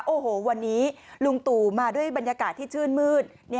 โอ้โหวันนี้ลุงตู่มาด้วยบรรยากาศที่ชื่นมืด